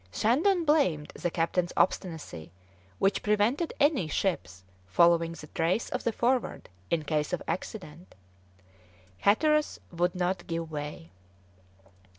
Shandon blamed the captain's obstinacy, which prevented any ships following the trace of the Forward in case of accident. Hatteras would not give way.